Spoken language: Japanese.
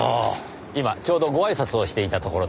今ちょうどご挨拶をしていたところです。